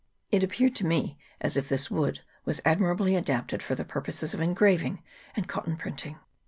It appeared to me as if this wood was admirably adapted for the purposes of engraving and cotton printing.